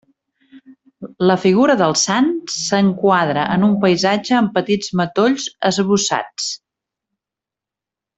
La figura del sant s'enquadra en un paisatge amb petits matolls esbossats.